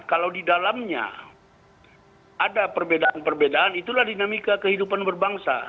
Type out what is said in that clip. kalau di dalamnya ada perbedaan perbedaan itulah dinamika kehidupan berbangsa